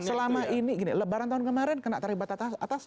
selama ini lebaran tahun kemarin kena tarikh batas atas